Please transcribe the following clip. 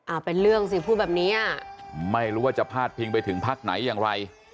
เป็นเรื่องสิพูดแบบนี้อ่ะไม่รู้ว่าจะพาดพิงไปถึงพักไหนอย่างไร